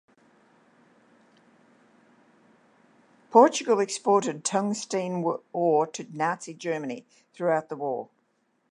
Portugal exported tungsten ore to Nazi Germany throughout the war.